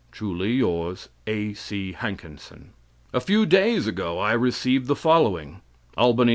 Truly yours, A.C. Hankenson" A few days ago I received the following: "Albany, N.